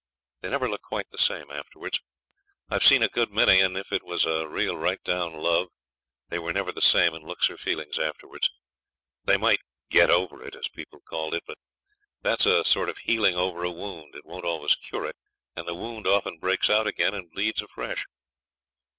They never look quite the same afterwards. I've seen a good many, and if it was real right down love, they were never the same in looks or feelings afterwards. They might 'get over it', as people call it; but that's a sort of healing over a wound. It don't always cure it, and the wound often breaks out again and bleeds afresh.